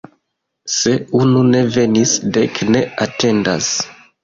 Se unu ne venis, dek ne atendas.